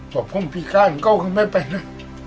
พอพรุ่งพี่ข้าอย่างเก่าก็ไม่ไปนะ